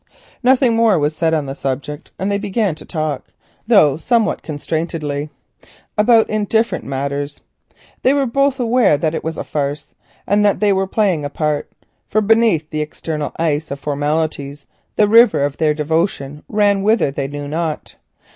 Nothing more was said on the subject, and they began to talk, though somewhat constrainedly, about indifferent matters. They were both aware that it was a farce, and that they were playing a part, for beneath the external ice of formalities the river of their devotion ran strong—whither they knew not.